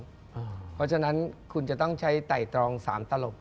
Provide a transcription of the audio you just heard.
เพราะฉะนั้นคุณจะต้องใช้ไต่ตรอง๓ตลก